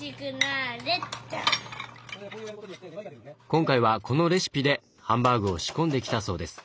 今回はこのレシピでハンバーグを仕込んできたそうです。